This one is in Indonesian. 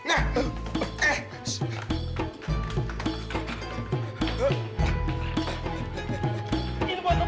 air ini kan bawa salu